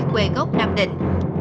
quê gốc nam định